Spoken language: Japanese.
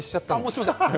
すいません。